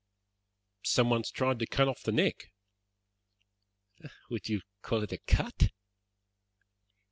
"Someone has tried to cut off the neck." "Would you call it a cut?"